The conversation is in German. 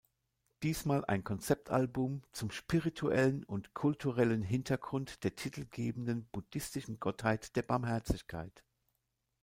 Diesmal ein Konzeptalbum zum spirituellen und kulturellen Hintergrund der titelgebenden buddhistischen Gottheit der Barmherzigkeit.